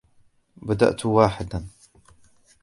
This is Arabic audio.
بدأت واحدا.